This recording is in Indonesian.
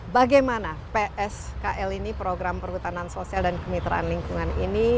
bagaimana pskl ini program perhutanan sosial dan kemitraan lingkungan ini